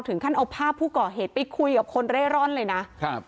ถึงขั้นเอาภาพผู้ก่อเหตุไปคุยกับคนเร่ร่อนเลยนะครับ